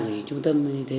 như thế tôi cũng như vậy